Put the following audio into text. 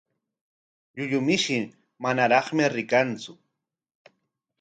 Llullu mishi manaraqmi rikanku.